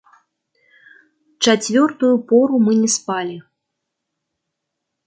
Чацвёртую пору мы не спалі.